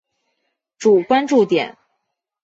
主关注点。